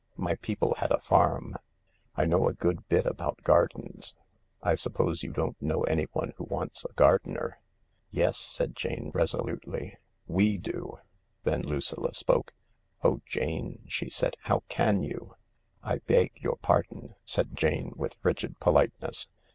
My people had a farm. I know a good bit about gardens. I suppose you don't know anyone who wants a gardener ?"" Yes," said Jane resolutely, " we do I " Then Lucilla spoke. " Oh, Jane," she said, " how can you !"" I beg your pardon ?" said Jane, with frigid politeness.